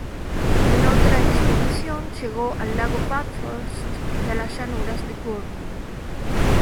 En otra expedición, llegó al lago Bathurst y las llanuras de Goulburn.